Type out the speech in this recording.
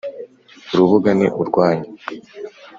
urubuga ni urwanyu